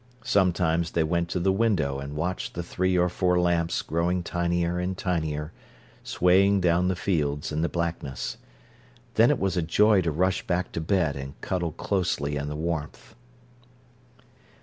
Sometimes they went to the window and watched the three or four lamps growing tinier and tinier, swaying down the fields in the darkness. Then it was a joy to rush back to bed and cuddle closely in the warmth.